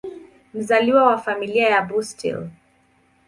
Mzaliwa wa Familia ya Bustill.